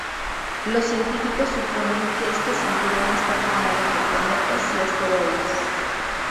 Los científicos suponen que este cinturón está formado por cometas y asteroides.